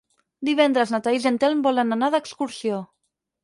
Divendres na Thaís i en Telm volen anar d'excursió.